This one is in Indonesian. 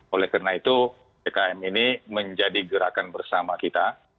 oleh karena itu pkm ini menjadi gerakan bersama kita